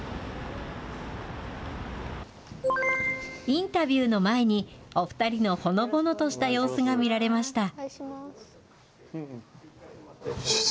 インタビューの前に、お２人のほのぼのとした様子が見られました。